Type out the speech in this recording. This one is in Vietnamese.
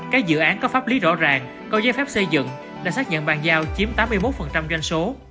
các dự án có pháp lý rõ ràng có giấy phép xây dựng đã xác nhận bàn giao chiếm tám mươi một doanh số